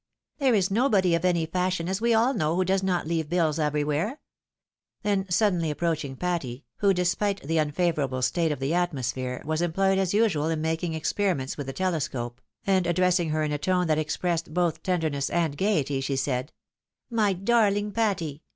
" There is nobody of any fashion, as we all know, who does not leave bills everywhere." Then suddenly ap proaching Patty, who, despite the unfavourable state of the atmosphere, was employed as usual in making experiments with the telescope, and addressing her in a tone that expressed both tenderness and gaiety, she said, "My darling Patty!